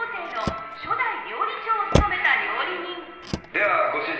ではご主人。